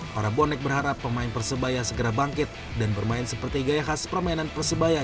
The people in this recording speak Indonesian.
para bonek berharap pemain persebaya segera bangkit dan bermain seperti gaya khas permainan persebaya